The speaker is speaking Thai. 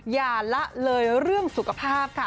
อย่าละเลยเรื่องสุขภาพค่ะ